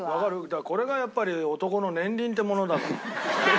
だからこれがやっぱり男の年輪ってものだから。